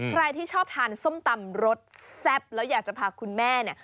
ใครที่ชอบทานส้มตำรสแซ่บแล้วอยากจะพาคุณแม่เนี่ย